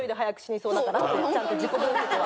ちゃんと自己分析は。